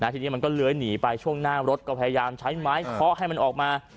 ทีนี้มันก็เลื้อยหนีไปช่วงหน้ารถก็พยายามใช้ไม้เคาะให้มันออกมา